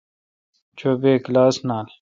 چو بے کلاس نال۔